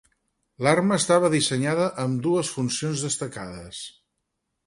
L'arma estava dissenyada amb dues funcions destacades.